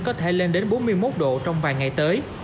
có thể lên đến bốn mươi một độ trong vài ngày tới